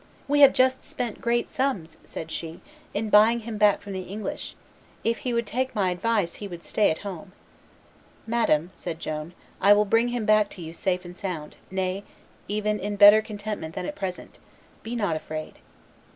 "We have just spent great sums," said she, "in buying him back from the English; if he would take my advice, he would stay at home." "Madame," said Joan, "I will bring him back to you safe and sound, nay, even in better contentment than at present; be not afraid."